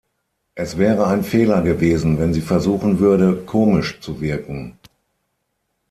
Es wäre ein Fehler gewesen, wenn sie versuchen würde, komisch zu wirken.